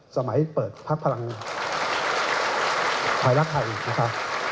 สมัยเปิดพักพลังไทยรักไทยนะคะ